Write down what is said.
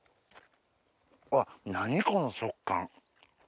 わっ何この食感。